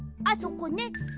あそこね！